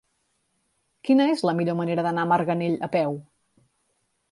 Quina és la millor manera d'anar a Marganell a peu?